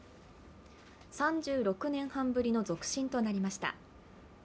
３６年半ぶりの続伸となりました。